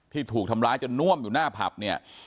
ถูกทำร้ายจนน่วมอยู่หน้าผับเนี่ย